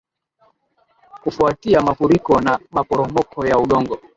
kufuatia mafuriko na maporomoko ya udongo